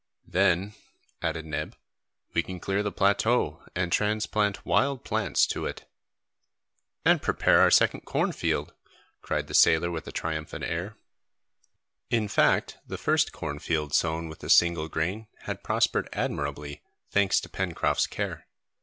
"Then," added Neb, "we can clear the plateau, and transplant wild plants to it." "And prepare our second cornfield!" cried the sailor with a triumphant air. In fact, the first cornfield sown with a single grain had prospered admirably, thanks to Pencroft's care.